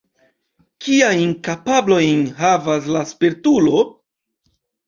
Kiajn kapablojn havas la spertulo?